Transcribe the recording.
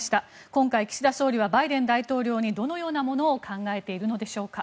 今回、岸田総理はバイデン大統領にどのようなものを考えているのでしょうか。